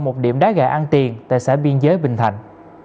một điểm đá gà ăn tiền tại xã biên giới bình thạnh